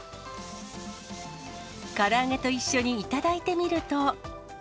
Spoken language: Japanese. から揚げと一緒に頂いてみると。